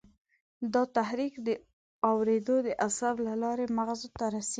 دا تحریک د اورېدو د عصب له لارې مغزو ته رسېږي.